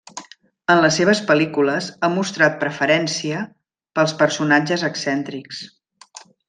En les seves pel·lícules ha mostrat preferència pels personatges excèntrics.